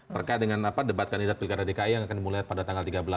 terkait dengan debat kandidat pilkada dki yang akan dimulai pada tanggal tiga belas